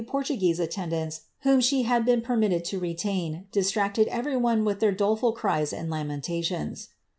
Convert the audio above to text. S57 Portuguese attendants, whom she had been permitted to retain, distracted erery one with their doleful cries and lamentations.'